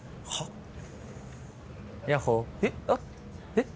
えっ？